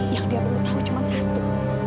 yang dia belum tahu cuma satu